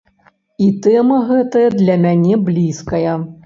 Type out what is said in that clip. І тэма гэтая для мяне блізкая.